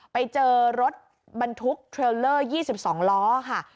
ไปเจอรถบรรทุกเทรลเลอร์๒๒ล้อค่ะ